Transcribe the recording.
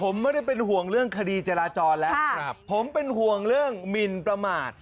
ผมไม่ได้เป็นห่วงเรื่องคดีจราจรแล้วผมเป็นห่วงเรื่องหมินประมาท